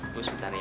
bu sebentar ya